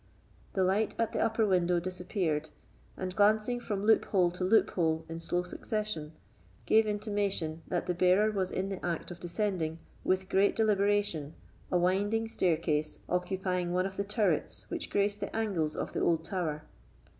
The light at the upper window disappeared, and glancing from loophole to loophole in slow succession, gave intimation that the bearer was in the act of descending, with great deliberation, a winding staircase occupying one of the turrets which graced the angles of the old tower.